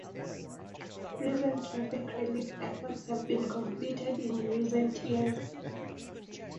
Recent traffic relief efforts have been completed in recent years.